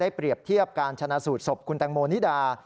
เปรียบเทียบการชนะสูตรศพคุณแตงโมนิดา